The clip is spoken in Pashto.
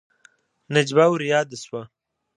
نجيبه ورياده شوه.